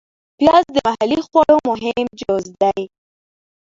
پیاز د محلي خواړو مهم جز دی